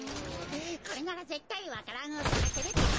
これならぜったいわか蘭をさかせるってか！